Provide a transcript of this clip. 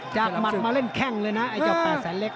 หมัดมาเล่นแข้งเลยนะไอ้เจ้า๘แสนเล็ก